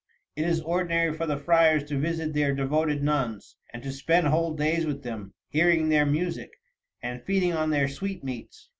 "It is ordinary for the friars to visit their devoted nuns, and to spend whole days with them, hearing their music and feeding on their sweetmeats.